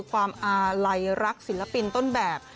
ความอาลัยรักศิลปินต้นแบบ